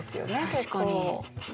確かに。